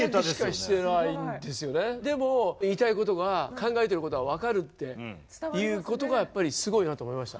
でも言いたいことが考えてることが分かるっていうことがすごいなと思いました。